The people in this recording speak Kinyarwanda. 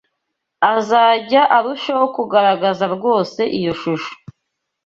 azajya arushaho kugaragaza rwose iyo shusho